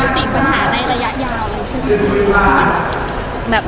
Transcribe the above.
อาทิตย์ใดระยะยาวอะไรบ่อน